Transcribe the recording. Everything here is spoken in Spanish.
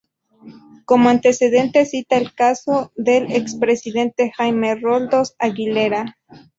Como antecedente cita el caso del expresidente Jaime Roldós Aguilera.